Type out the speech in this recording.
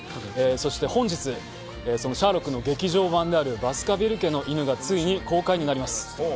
そして本日その「シャーロック」の劇場版である「バスカヴィル家の犬」がついに公開になります。